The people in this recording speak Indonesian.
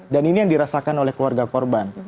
dan ini yang dirasakan oleh keluarga korban